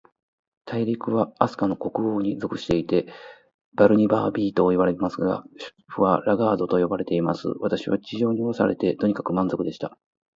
大陸は、飛島の国王に属していて、バルニバービといわれています。首府はラガードと呼ばれています。私は地上におろされて、とにかく満足でした。